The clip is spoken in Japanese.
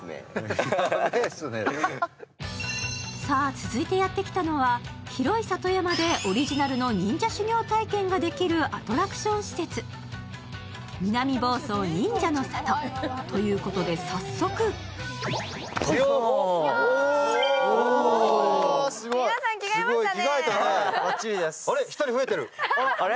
続いてやってきたのは広い里山でオリジナルの忍者修行体験ができるアトラクション施設。ということで早速皆さん着替えましたね。